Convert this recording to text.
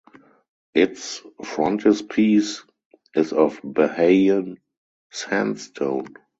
Its frontispiece is of Bahian sandstone.